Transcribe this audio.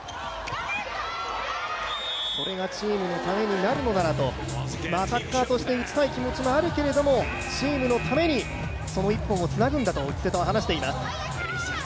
それがチームのためになるのならとアタッカーとして打ちたい気持ちもあるけれども、チームのためにその１本をつなぐんだと内瀬戸は話しています。